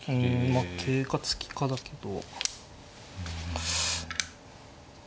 まあ桂か突きかだけど。